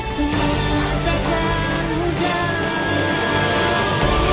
semua tak terdanggal